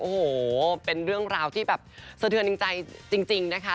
โอ้โหเป็นเรื่องราวที่แบบสะเทือนจริงใจจริงนะคะ